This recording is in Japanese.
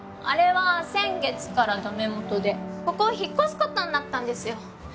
あれは先月からダメもとでここを引っ越すことになったんですよ